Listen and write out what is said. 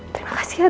terima kasih ya nino